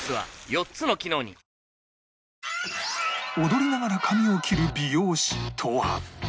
踊りながら髪を切る美容師とは？